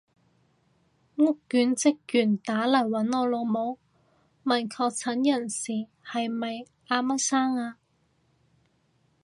屋苑職員打嚟搵我老母，問確診人士係咪阿乜生啊？